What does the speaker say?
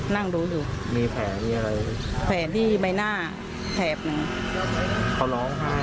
นั่งดูอยู่มีแผลมีอะไรแผลที่ใบหน้าแถบหนึ่งเขาร้องไห้